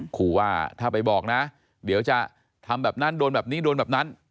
ขอว่าถ้าไปบอกนะเดี๋ยวจะทำแบบนั้นโดนแบบนี้โดนแบบนั้น